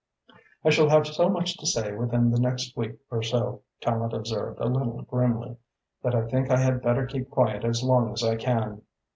"I shall have so much to say within the next week or so," Tallente observed, a little grimly, "that I think I had better keep quiet as long as I can."